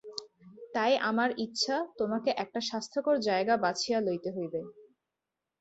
তাই আমার ইচ্ছা–তোমাকে একটা স্বাসথ্যকর জায়গা বাছিয়া লইতে হইবে।